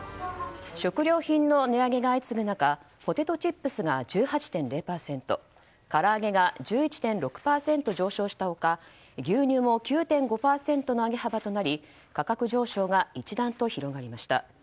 食料品の値上げが相次ぐ中ポテトチップスが１８．０％から揚げが１１．６％上昇した他牛乳も９．５％の上げ幅となり価格上昇が一段と広がりました。